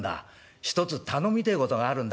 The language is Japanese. ひとつ頼みてえことがあるんだがな。